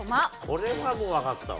これはもう分かったわ。